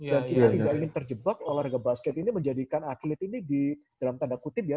dan kita tidak ingin terjebak olahraga basket ini menjadikan atlet ini di dalam tanda kutip ya